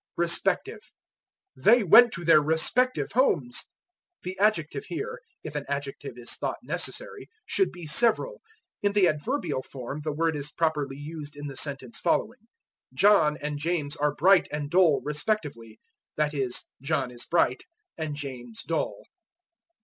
Respective. "They went to their respective homes." The adjective here (if an adjective is thought necessary) should be several. In the adverbial form the word is properly used in the sentence following: John and James are bright and dull, respectively. That is, John is bright and James dull.